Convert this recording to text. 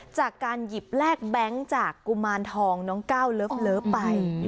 จากการหยิบแลกแบงค์จากกุมารทองน้องก้าวเลิฟไป